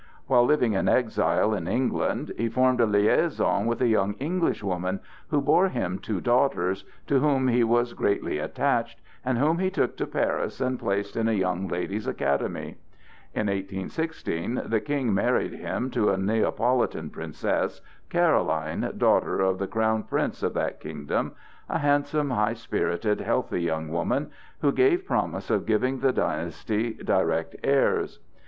While living in exile, in England, he formed a liaison with a young Englishwoman, who bore him two daughters, to whom he was greatly attached and whom he took to Paris and placed in a young ladies' academy. In 1816 the King married him to a Neapolitan princess, Caroline, daughter of the Crown Prince of that kingdom, a handsome, high spirited, healthy young woman, who gave promise of giving the dynasty direct heirs.